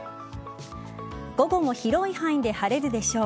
午後も広い範囲で晴れるでしょう。